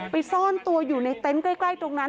ซ่อนตัวอยู่ในเต็นต์ใกล้ตรงนั้น